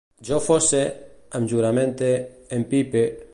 Jo fosse, em juramente, empipe